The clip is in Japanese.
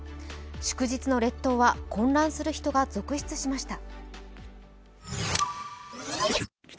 祝日の列島は混乱する人が続出しました。